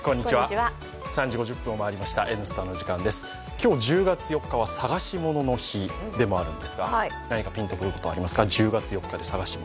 今日、１０月４日は捜し物の日でもあるんですが何かピンとくることありますか？